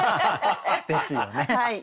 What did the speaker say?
ですよね。